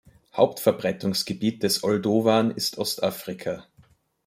Hauptverbreitungsgebiet des Oldowan ist Ostafrika.